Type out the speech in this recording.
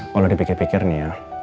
kalau dipikir pikir nih ya